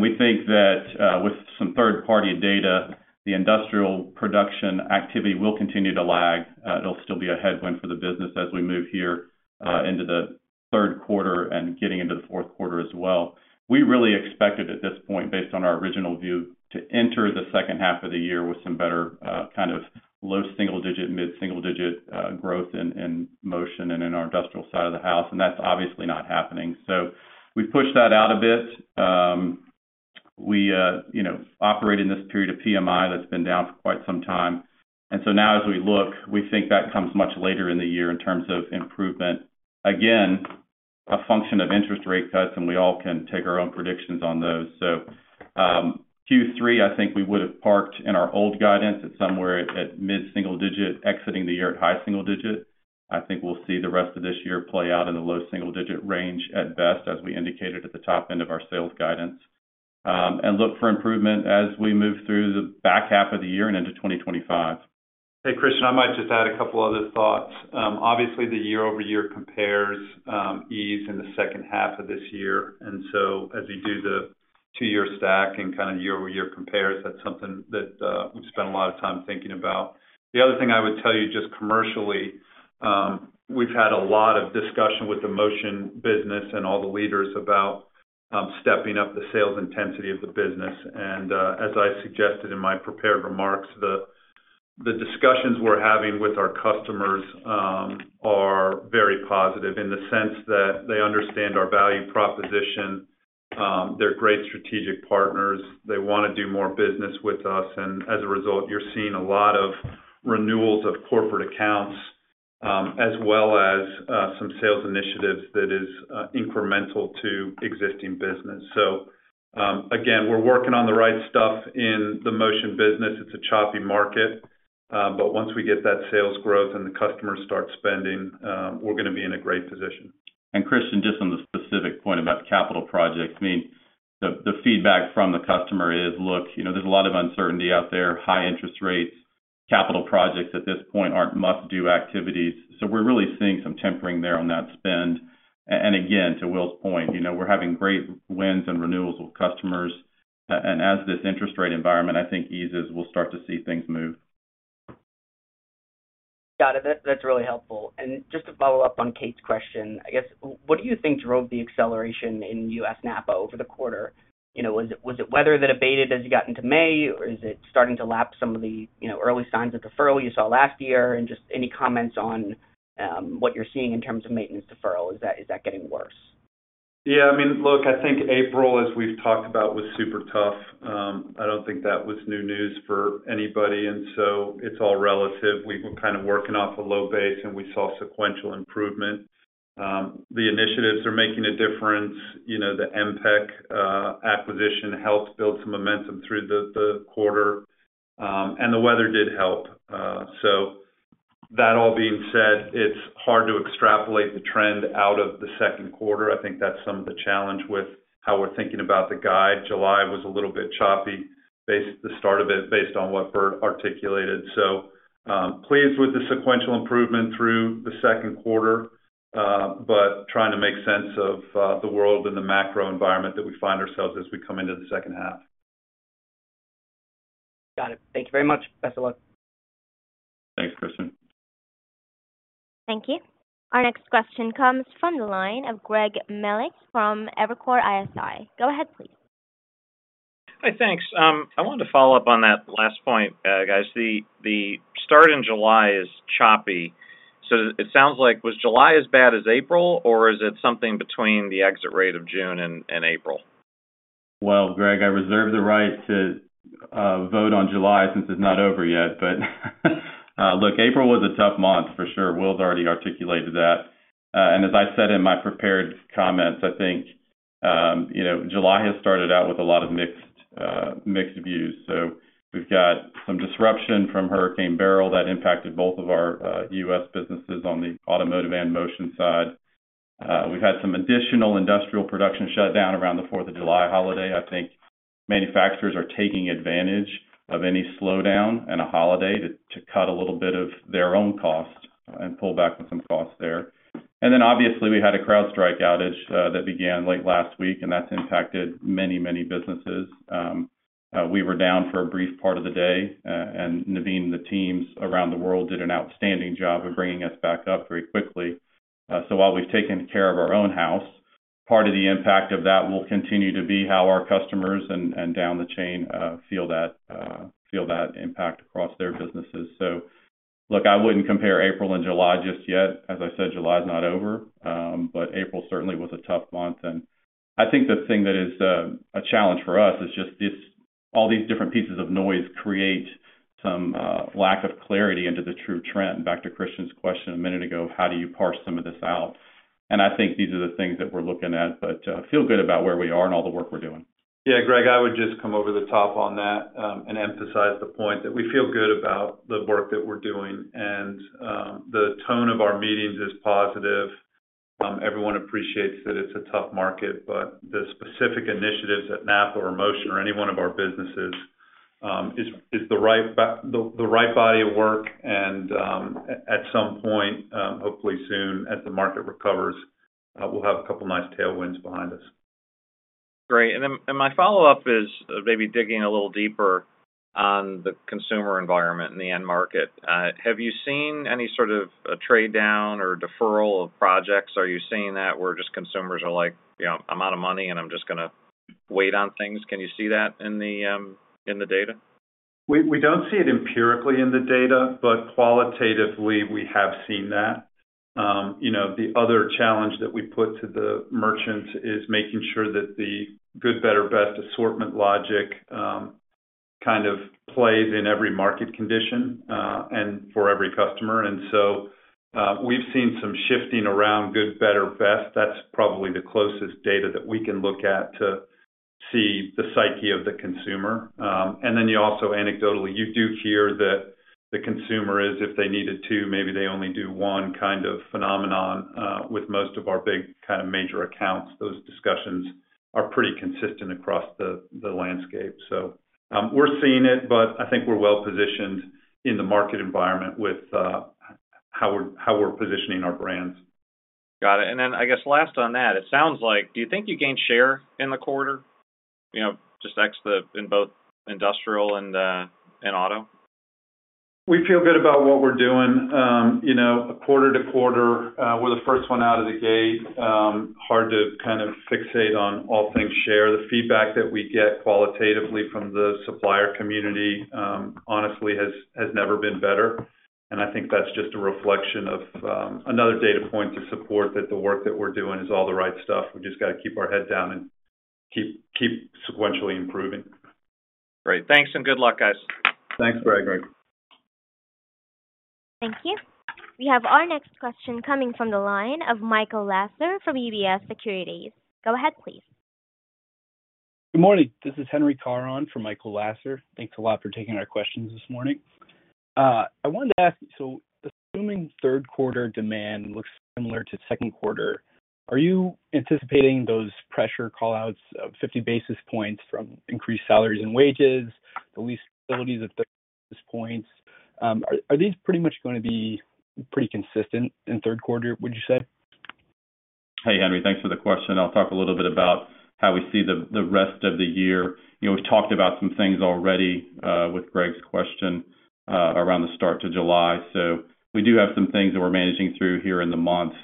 We think that, with some third-party data, the industrial production activity will continue to lag. It'll still be a headwind for the business as we move here into the third quarter and getting into the fourth quarter as well. We really expected, at this point, based on our original view, to enter the second half of the year with some better kind of low single digit, mid single digit growth in Motion and in our industrial side of the house, and that's obviously not happening. So we've pushed that out a bit. We, you know, operate in this period of PMI that's been down for quite some time. And so now as we look, we think that comes much later in the year in terms of improvement. Again, a function of interest rate cuts, and we all can take our own predictions on those. So, Q3, I think we would have parked in our old guidance at somewhere at mid-single digit, exiting the year at high single digit. I think we'll see the rest of this year play out in the low single digit range at best, as we indicated at the top end of our sales guidance. And look for improvement as we move through the back half of the year and into 2025. Hey, Christian, I might just add a couple other thoughts. Obviously, the year-over-year compares ease in the second half of this year, and so as you do the two-year stack and kind of year-over-year compares, that's something that we've spent a lot of time thinking about. The other thing I would tell you, just commercially, we've had a lot of discussion with the motion business and all the leaders about stepping up the sales intensity of the business. As I suggested in my prepared remarks, the discussions we're having with our customers are very positive in the sense that they understand our value proposition, they're great strategic partners, they wanna do more business with us, and as a result, you're seeing a lot of renewals of corporate accounts, as well as some sales initiatives that is incremental to existing business. So again, we're working on the right stuff in the motion business. It's a choppy market, but once we get that sales growth and the customers start spending, we're gonna be in a great position. And Christian, just on the specific point about capital projects, I mean, the feedback from the customer is, look, you know, there's a lot of uncertainty out there, high interest rates, capital projects at this point aren't must-do activities, so we're really seeing some tempering there on that spend. And again, to Will's point, you know, we're having great wins and renewals with customers, and as this interest rate environment, I think, eases, we'll start to see things move. Got it. That, that's really helpful. And just to follow up on Kate's question, I guess, what do you think drove the acceleration in US NAPA over the quarter? You know, was it, was it weather that abated as you got into May, or is it starting to lap some of the, you know, early signs of deferral you saw last year? And just any comments on what you're seeing in terms of maintenance deferral. Is that, is that getting worse? Yeah, I mean, look, I think April, as we've talked about, was super tough. I don't think that was new news for anybody, and so it's all relative. We were kind of working off a low base, and we saw sequential improvement. The initiatives are making a difference. You know, the MPEC acquisition helped build some momentum through the quarter, and the weather did help. So that all being said, it's hard to extrapolate the trend out of the second quarter. I think that's some of the challenge with how we're thinking about the guide. July was a little bit choppy, based on what Bert articulated. Pleased with the sequential improvement through the second quarter, but trying to make sense of the world and the macro environment that we find ourselves as we come into the second half. Got it. Thank you very much. Best of luck. Thanks, Christian. Thank you. Our next question comes from the line of Greg Melich from Evercore ISI. Go ahead, please.... Hi, thanks. I wanted to follow up on that last point, guys. The start in July is choppy, so it sounds like, was July as bad as April, or is it something between the exit rate of June and April? Well, Greg, I reserve the right to vote on July since it's not over yet. But look, April was a tough month for sure. Will's already articulated that. And as I said in my prepared comments, I think you know, July has started out with a lot of mixed mixed views. So we've got some disruption from Hurricane Beryl that impacted both of our US businesses on the automotive and motion side. We've had some additional industrial production shut down around the Fourth of July holiday. I think manufacturers are taking advantage of any slowdown and a holiday to cut a little bit of their own cost and pull back on some costs there. And then obviously, we had a CrowdStrike outage that began late last week, and that's impacted many, many businesses. We were down for a brief part of the day, and Naveen, the teams around the world did an outstanding job of bringing us back up very quickly. So while we've taken care of our own house, part of the impact of that will continue to be how our customers and down the chain feel that impact across their businesses. So, look, I wouldn't compare April and July just yet. As I said, July is not over, but April certainly was a tough month. And I think the thing that is a challenge for us is just this, all these different pieces of noise create some lack of clarity into the true trend. Back to Christian's question a minute ago, how do you parse some of this out? And I think these are the things that we're looking at, but feel good about where we are and all the work we're doing. Yeah, Greg, I would just come over the top on that, and emphasize the point that we feel good about the work that we're doing, and the tone of our meetings is positive. Everyone appreciates that it's a tough market, but the specific initiatives at NAPA or Motion or any one of our businesses is the right body of work, and at some point, hopefully soon, as the market recovers, we'll have a couple nice tailwinds behind us. Great. And then my follow-up is maybe digging a little deeper on the consumer environment and the end market. Have you seen any sort of a trade down or deferral of projects? Are you seeing that, where just consumers are like: You know, I'm out of money, and I'm just gonna wait on things? Can you see that in the data? We don't see it empirically in the data, but qualitatively, we have seen that. You know, the other challenge that we put to the merchants is making sure that the good, better, best assortment logic kind of plays in every market condition and for every customer. And so, we've seen some shifting around good, better, best. That's probably the closest data that we can look at to see the psyche of the consumer. And then you also, anecdotally, you do hear that the consumer is, if they needed to, maybe they only do one kind of phenomenon with most of our big kind of major accounts. Those discussions are pretty consistent across the landscape. So, we're seeing it, but I think we're well positioned in the market environment with how we're positioning our brands. Got it. And then, I guess, last on that, it sounds like... Do you think you gained share in the quarter? You know, just ex the, in both industrial and, in auto. We feel good about what we're doing. You know, quarter to quarter, we're the first one out of the gate. Hard to kind of fixate on all things share. The feedback that we get qualitatively from the supplier community, honestly, has never been better, and I think that's just a reflection of, another data point to support that the work that we're doing is all the right stuff. We just got to keep our head down and keep sequentially improving. Great. Thanks, and good luck, guys. Thanks, Greg. Thank you. We have our next question coming from the line of Michael Lasser from UBS Securities. Go ahead, please. Good morning. This is Henry Caron for Michael Lasser. Thanks a lot for taking our questions this morning. I wanted to ask, so assuming third quarter demand looks similar to second quarter, are you anticipating those pressure call-outs of 50 basis points from increased salaries and wages, the lease facilities at 30 basis points? Are these pretty much gonna be pretty consistent in third quarter, would you say? Hey, Henry, thanks for the question. I'll talk a little bit about how we see the rest of the year. You know, we've talked about some things already with Greg's question around the start to July. So we do have some things that we're managing through here in the month.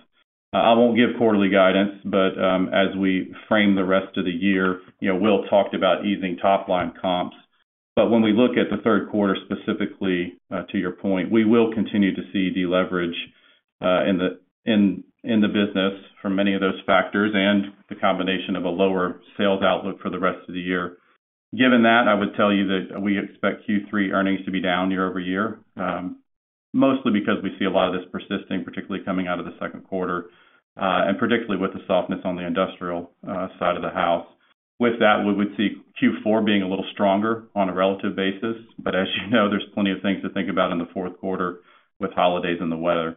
I won't give quarterly guidance, but as we frame the rest of the year, you know, Will talked about easing top-line comps. But when we look at the third quarter, specifically, to your point, we will continue to see deleverage in the business for many of those factors and the combination of a lower sales outlook for the rest of the year. Given that, I would tell you that we expect Q3 earnings to be down year over year, mostly because we see a lot of this persisting, particularly coming out of the second quarter, and particularly with the softness on the industrial, side of the house. With that, we would see Q4 being a little stronger on a relative basis, but as you know, there's plenty of things to think about in the fourth quarter with holidays and the weather.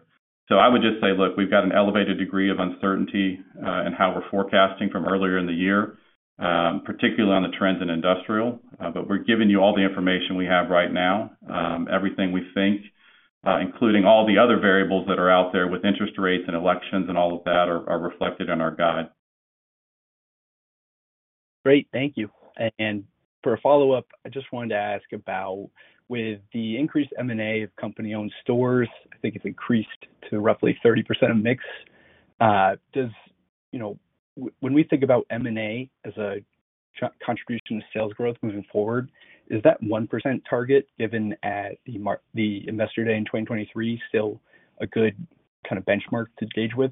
So I would just say, look, we've got an elevated degree of uncertainty, in how we're forecasting from earlier in the year, particularly on the trends in industrial. But we're giving you all the information we have right now. Everything we think, including all the other variables that are out there with interest rates and elections and all of that, are reflected in our guide. Great. Thank you. And for a follow-up, I just wanted to ask about, with the increased M&A of company-owned stores, I think it's increased to roughly 30% of mix.... Does, you know, when we think about M&A as a contribution to sales growth moving forward, is that 1% target given at the Investor Day in 2023, still a good kind of benchmark to gauge with?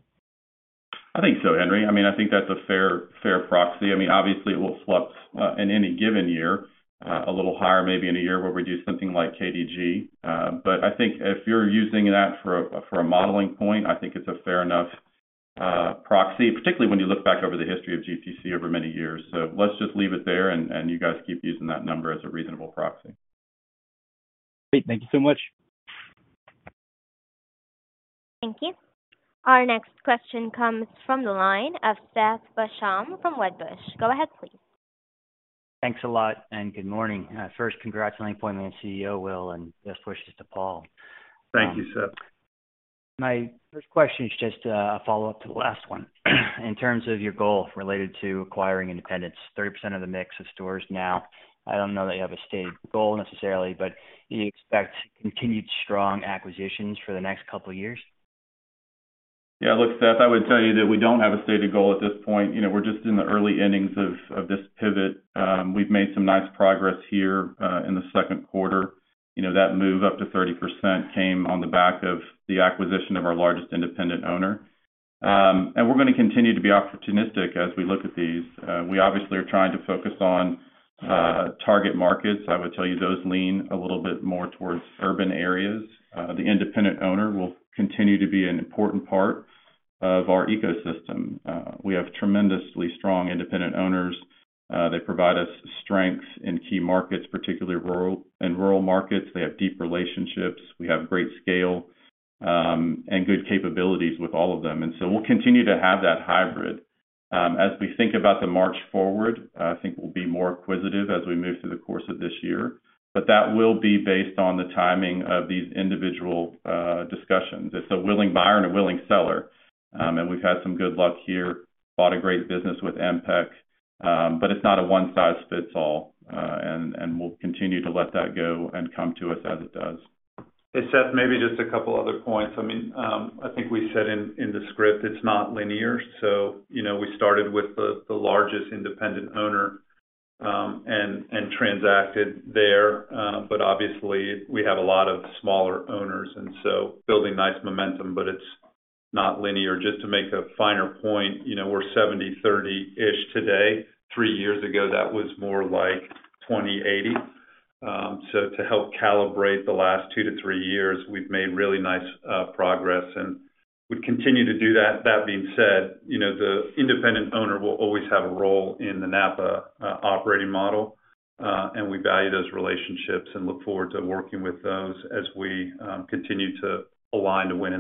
I think so, Henry. I mean, I think that's a fair, fair proxy. I mean, obviously, it will fluctuate in any given year a little higher, maybe in a year where we do something like KDG. But I think if you're using that for a, for a modeling point, I think it's a fair enough proxy, particularly when you look back over the history of GPC over many years. So let's just leave it there, and you guys keep using that number as a reasonable proxy. Great. Thank you so much. Thank you. Our next question comes from the line of Seth Basham from Wedbush. Go ahead, please. Thanks a lot, and good morning. First, congratulations on the appointment of CEO, Will, and best wishes to Paul. Thank you, Seth. My first question is just, a follow-up to the last one. In terms of your goal related to acquiring independents, 30% of the mix of stores now, I don't know that you have a stated goal necessarily, but do you expect continued strong acquisitions for the next couple of years? Yeah, look, Seth, I would tell you that we don't have a stated goal at this point. You know, we're just in the early innings of this pivot. We've made some nice progress here in the second quarter. You know, that move up to 30% came on the back of the acquisition of our largest independent owner. And we're going to continue to be opportunistic as we look at these. We obviously are trying to focus on target markets. I would tell you those lean a little bit more towards urban areas. The independent owner will continue to be an important part of our ecosystem. We have tremendously strong independent owners. They provide us strength in key markets, particularly rural, in rural markets. They have deep relationships. We have great scale, and good capabilities with all of them, and so we'll continue to have that hybrid. As we think about the march forward, I think we'll be more acquisitive as we move through the course of this year, but that will be based on the timing of these individual discussions. It's a willing buyer and a willing seller, and we've had some good luck here, bought a great business with MPEC, but it's not a one-size-fits-all, and, and we'll continue to let that go and come to us as it does. Hey, Seth, maybe just a couple of other points. I mean, I think we said in, in the script, it's not linear. So, you know, we started with the, the largest independent owner, and, and transacted there, but obviously, we have a lot of smaller owners, and so building nice momentum, but it's not linear. Just to make a finer point, you know, we're 70/30-ish today. Three years ago, that was more like 20/80. So to help calibrate the last 2 to 3 years, we've made really nice progress, and we continue to do that. That being said, you know, the independent owner will always have a role in the NAPA operating model, and we value those relationships and look forward to working with those as we continue to align to win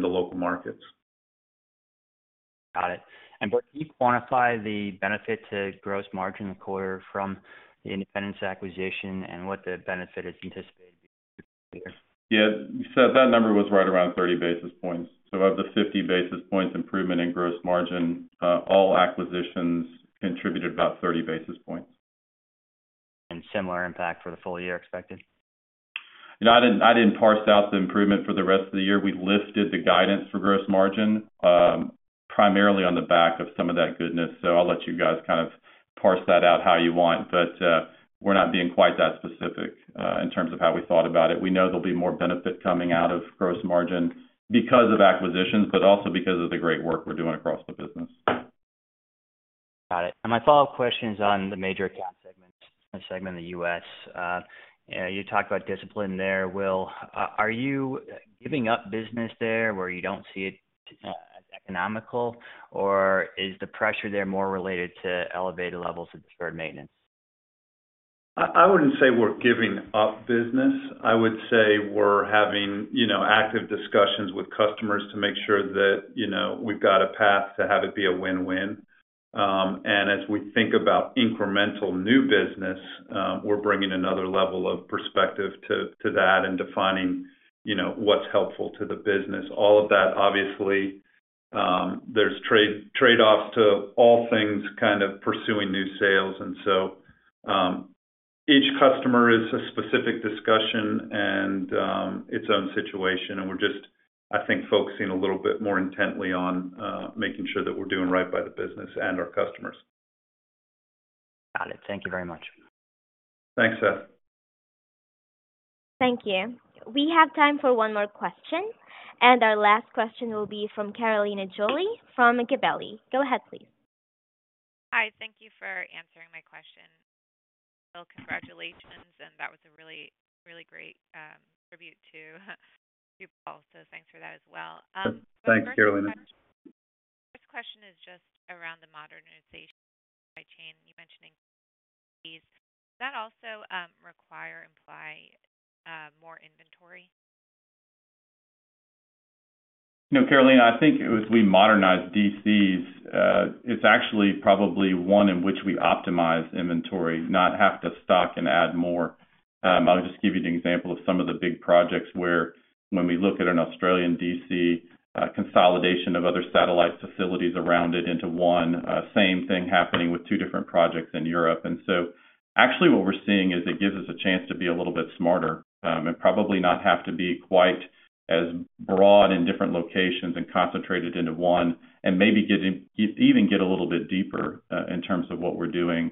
in the local markets. Got it. Can you quantify the benefit to gross margin quarter from the MPEC acquisition and what the benefit is anticipated to be here? Yeah. So that number was right around 30 basis points. So of the 50 basis points improvement in gross margin, all acquisitions contributed about 30 basis points. Similar impact for the full year expected? You know, I didn't parse out the improvement for the rest of the year. We lifted the guidance for gross margin, primarily on the back of some of that goodness, so I'll let you guys kind of parse that out how you want. But, we're not being quite that specific, in terms of how we thought about it. We know there'll be more benefit coming out of gross margin because of acquisitions, but also because of the great work we're doing across the business. Got it. My follow-up question is on the major account segments, the segment in the U.S. You talked about discipline there, Will. Are you giving up business there where you don't see it as economical, or is the pressure there more related to elevated levels of deferred maintenance? I wouldn't say we're giving up business. I would say we're having, you know, active discussions with customers to make sure that, you know, we've got a path to have it be a win-win. And as we think about incremental new business, we're bringing another level of perspective to that and defining, you know, what's helpful to the business. All of that, obviously, there's trade-offs to all things kind of pursuing new sales, and so, each customer is a specific discussion and its own situation, and we're just, I think, focusing a little bit more intently on making sure that we're doing right by the business and our customers. Got it. Thank you very much. Thanks, Seth. Thank you. We have time for one more question, and our last question will be from Carolina Jolly from Gabelli. Go ahead, please. Hi, thank you for answering my question. Well, congratulations, and that was a really, really great tribute to you both, so thanks for that as well. Thanks, Carolina. First question is just around the modernization by chain. You mentioning these, does that also require, imply, more inventory? You know, Carolina, I think as we modernize DCs, it's actually probably one in which we optimize inventory, not have to stock and add more. I'll just give you an example of some of the big projects where when we look at an Australian DC, consolidation of other satellite facilities around it into one, same thing happening with two different projects in Europe. And so actually what we're seeing is it gives us a chance to be a little bit smarter, and probably not have to be quite as broad in different locations and concentrated into one, and maybe even get a little bit deeper in terms of what we're doing.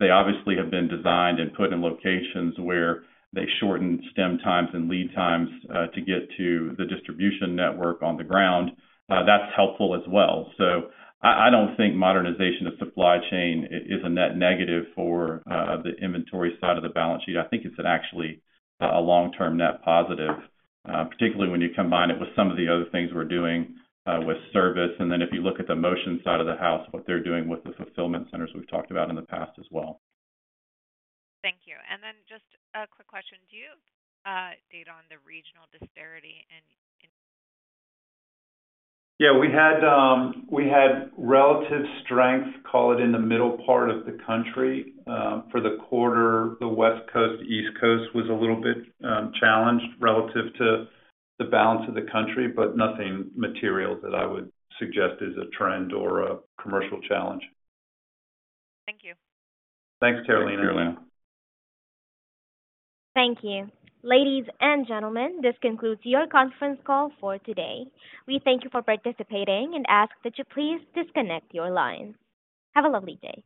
They obviously have been designed and put in locations where they shorten lead times and lead times, to get to the distribution network on the ground. That's helpful as well. So I don't think modernization of supply chain is a net negative for the inventory side of the balance sheet. I think it's actually a long-term net positive, particularly when you combine it with some of the other things we're doing with service. And then if you look at the Motion side of the house, what they're doing with the fulfillment centers we've talked about in the past as well. Thank you. And then just a quick question: Do you have data on the regional disparity in- Yeah, we had relative strength, call it, in the middle part of the country. For the quarter, the West Coast, East Coast was a little bit challenged relative to the balance of the country, but nothing material that I would suggest is a trend or a commercial challenge. Thank you. Thanks, Carolina. Thank you. Ladies and gentlemen, this concludes your conference call for today. We thank you for participating and ask that you please disconnect your line. Have a lovely day.